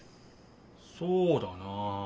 そうだなあ。